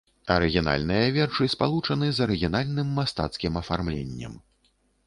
Арыгінальныя вершы спалучаны з арыгінальным мастацкім афармленнем.